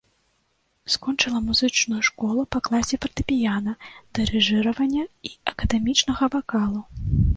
Скончыла музычную школу па класе фартэпіяна, дырыжыравання і акадэмічнага вакалу.